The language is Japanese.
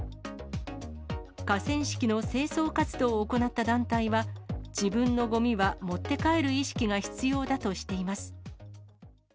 河川敷の清掃活動を行った団体は、自分のごみは持って帰る意識が必要だとしています。